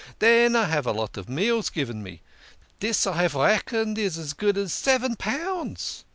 Den I have a lot o' meals given me dis, I have reckoned, is as good as seven pounds.